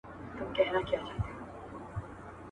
• د پاچا صاحب باز دئ، پر ډېران چرگوړي نيسي.